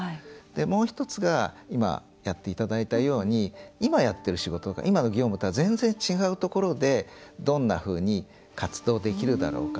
もう１つが今やっていただいたように今やってる仕事とか今の業務とは全然、違うところでどんなふうに活動できるだろうか。